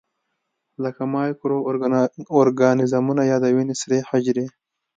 لکه مایکرو ارګانیزمونه یا د وینې سرې حجرې.